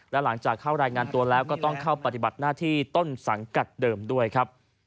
และหลังจากเข้ารายงานตัวแล้วก็ต้องเข้าปฏิบัติหน้าที่ต้นสังกัดเดิมด้วยครับ